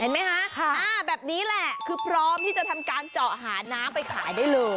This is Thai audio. ไหมคะแบบนี้แหละคือพร้อมที่จะทำการเจาะหาน้ำไปขายได้เลย